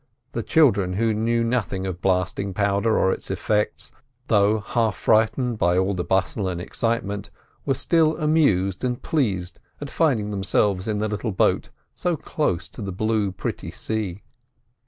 The children, who knew nothing of blasting powder or its effects, though half frightened by all the bustle and excitement, were still amused and pleased at finding themselves in the little boat so close to the blue pretty sea.